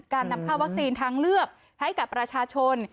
การนำค่าวักซีนทางเลือกให้กับรชาชน